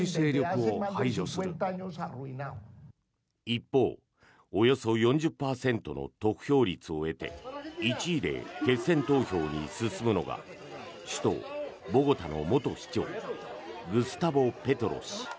一方およそ４０％の得票率を得て１位で決選投票に進むのが首都ボゴタの元市長グスタボ・ペトロ氏。